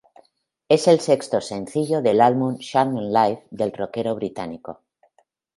Es el sexto sencillo del álbum "Charmed Life" del roquero británico.